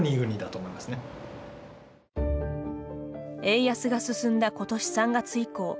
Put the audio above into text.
円安が進んだことし３月以降